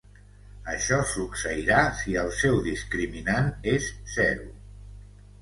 Això succeirà si el seu discriminant és zero.